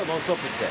って。